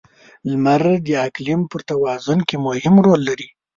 • لمر د اقلیم پر توازن کې مهم رول لري.